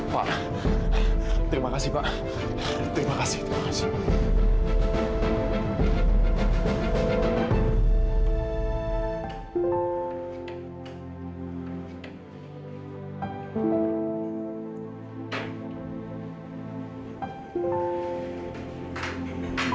pak terima kasih pak terima kasih terima kasih pak